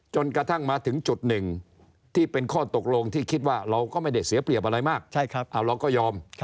จนกระทั่งมาถึงจุดหนึ่งที่เป็นข้อตกลงที่คิดว่าเราก็ไม่ได้เสียเปรียบอะไรมากเราก็ยอม